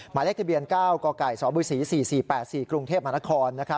หมายเลขทะเบียน๙กกสบศ๔๔๘๔กรุงเทพมหานคร